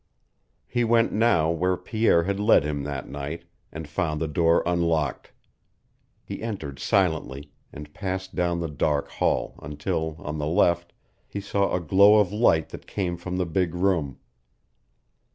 He went now where Pierre had led him that night, and found the door unlocked. He entered silently, and passed down the dark hall until, on the left, he saw a glow of light that came from the big room.